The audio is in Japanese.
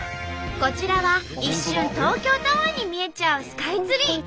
こちらは一瞬東京タワーに見えちゃうスカイツリー。